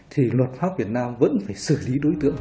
thì luật pháp việt nam vẫn phải xử lý đối tượng